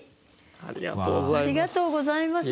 ありがとうございます。